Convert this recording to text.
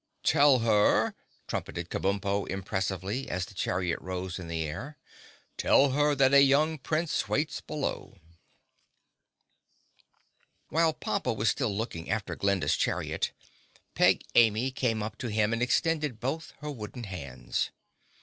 "Tell her," trumpeted Kabumpo impressively, as the chariot rose in the air, "tell her that a young Prince waits below!" While Pompa was still looking after Glinda's chariot, Peg Amy came up to him and extended both her wooden hands.